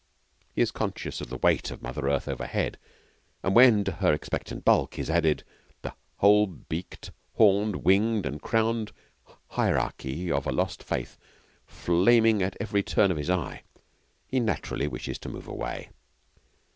He is conscious of the weight of mother earth overhead, and when to her expectant bulk is added the whole beaked, horned, winged, and crowned hierarchy of a lost faith flaming at every turn of his eye, he naturally wishes to move away.